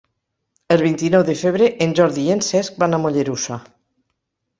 El vint-i-nou de febrer en Jordi i en Cesc van a Mollerussa.